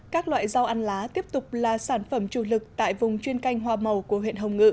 các loại rau ăn lá tiếp tục là sản phẩm chủ lực tại vùng chuyên canh hoa màu của huyện hồng ngự